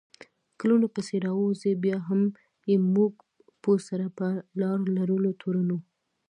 کلونه پس راووځي، بیا یې هم موږ پوځ سره په لار لرلو تورنوو